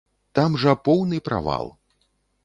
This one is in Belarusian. Там жа поўны правал.